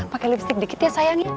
pakai lipstick dikit ya sayangnya